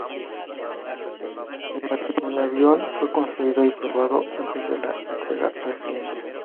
El avión fue construido y probado antes de la entrega al cliente.